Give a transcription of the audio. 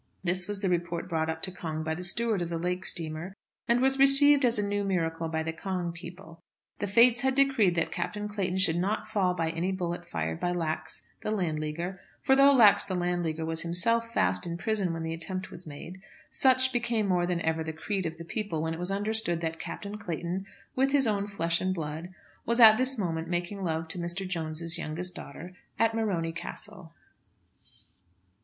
This was the report brought up to Cong by the steward of the lake steamer, and was received as a new miracle by the Cong people. The fates had decreed that Captain Clayton should not fall by any bullet fired by Lax, the Landleaguer; for, though Lax, the Landleaguer, was himself fast in prison when the attempt was made, such became more than ever the creed of the people when it was understood that Captain Clayton, with his own flesh and blood, was at this moment making love to Mr. Jones's youngest daughter at Morony Castle.